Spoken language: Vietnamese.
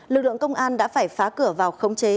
lực lượng công an đã phải phá cửa vào khống chế